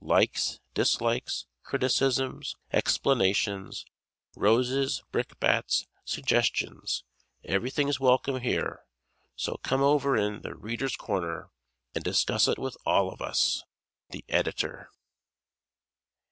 Likes, dislikes, criticisms, explanations, roses, brickbats, suggestions everything's welcome here; so "come over in 'The Readers' Corner'" and discuss it with all of us! _The Editor.